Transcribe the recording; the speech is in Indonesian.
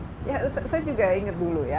saya juga ingat dulu ya